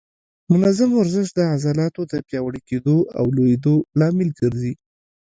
منظم ورزش د عضلاتو د پیاوړي کېدو او لویېدو لامل ګرځي.